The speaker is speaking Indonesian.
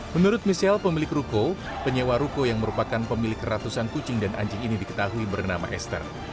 menurut michelle pemilik ruko penyewa ruko yang merupakan pemilik ratusan kucing dan anjing ini diketahui bernama esther